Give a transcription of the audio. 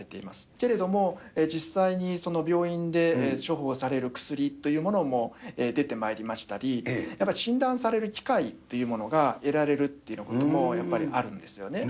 けれども、実際に病院で処方される薬というものも出てまいりましたり、やっぱり診断される機会というものが得られるっていうようなこともやっぱりあるんですよね。